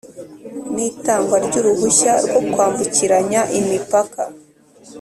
n itangwa ry uruhushya rwo kwambukiranya imipaka